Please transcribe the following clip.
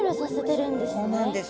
そうなんです。